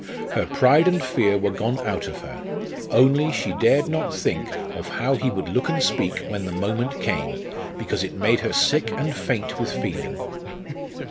Her pride and fear were gone out of her; only, she dared not think of how he would look and speak when the moment came, because it made her sick and faint with feeling.